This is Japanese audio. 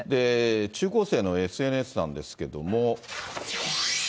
中高生のＳＮＳなんですけれども。